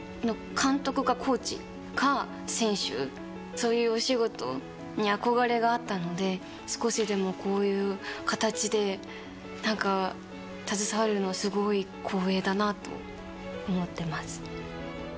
そういうお仕事に憧れがあったので少しでもこういう形で携われるのはすごい光栄だなと思ってます。